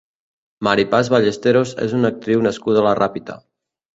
Mari Paz Ballesteros és una actriu nascuda a la Ràpita.